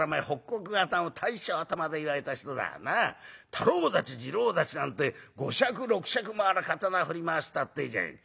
太郎太刀次郎太刀なんて五尺六尺もある刀振り回したっていうじゃねえ。